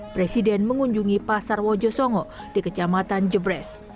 presiden mengunjungi pasar wojosongo di kecamatan jebres